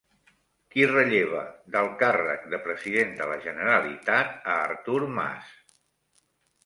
Qui relleva del càrrec de president de la Generalitat a Artur Mas?